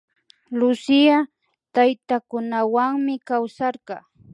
Lucía taytakunawanmi kawsarka